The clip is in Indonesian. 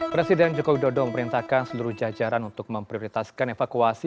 presiden jokowi dodo memperintahkan seluruh jajaran untuk memprioritaskan evakuasi